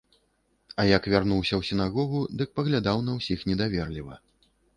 А як вярнуўся ў сінагогу, дык паглядаў на ўсіх недаверліва.